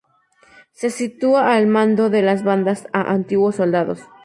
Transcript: Se sitúa al mando de las bandas a antiguos soldados.